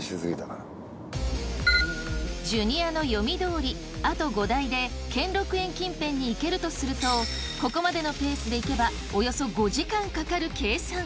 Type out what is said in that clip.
ジュニアの読みどおりあと５台で兼六園近辺に行けるとするとここまでのペースでいけばおよそ５時間かかる計算。